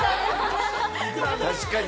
確かに。